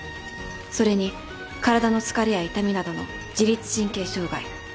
それに体の疲れや痛みなどの自律神経障害。